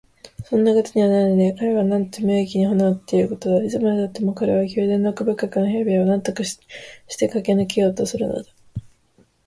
そんなことにはならないで、彼はなんと無益に骨を折っていることだろう。いつまでたっても彼は宮殿の奥深くの部屋部屋をなんとかしてかけ抜けようとするのだ。